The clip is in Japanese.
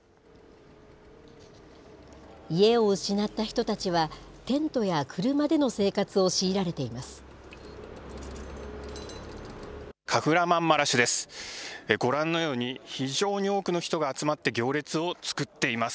家を失った人たちは、テントや車での生活を強いられています。